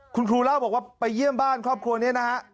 คุณครูเล่าบอกว่าไปเยี่ยมบ้านครอบครัวนี้นะฮะ